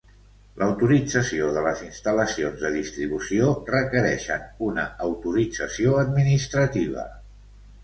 L'autorització de les instal·lacions de distribució requereixen una autorització administrativa.